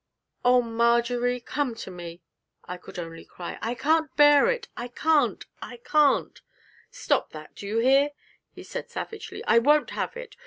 'Oh, Marjory, come to me!' I could only cry; 'I can't bear it! I can't! I can't!' 'Stop that, do you hear?' he said savagely, 'I won't have it!